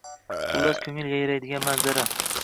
Xullas, koʻngil yayraydigan manzara